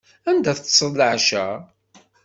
Anda teṭṭseḍ leɛca?